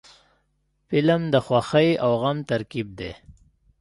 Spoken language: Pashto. فلم د خوښۍ او غم ترکیب دی